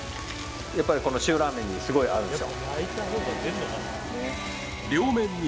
やっぱりこの塩らーめんにすごい合うんですよ